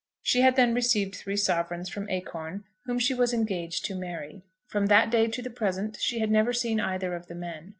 She had then received three sovereigns from Acorn, whom she was engaged to marry. From that day to the present she had never seen either of the men.